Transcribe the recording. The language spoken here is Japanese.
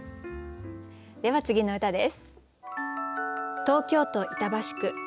では次の歌です。